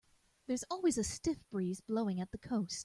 There's always a stiff breeze blowing at the coast.